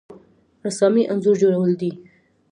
رسامي انځور جوړول دي